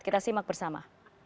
kita simak bersama